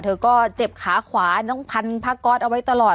เธอก็เจ็บขาขวาน้องพันผ้าก๊อตเอาไว้ตลอด